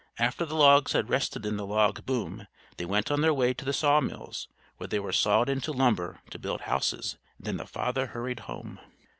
After the logs had rested in the log "boom," they went on their way to the saw mills, where they were sawed into lumber to build houses; and then the father hurried home.